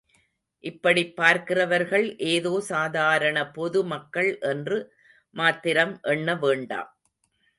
இப்படிப் பார்க்கிறவர்கள் ஏதோ சாதாரண பொது மக்கள் என்று மாத்திரம் எண்ண வேண்டாம்.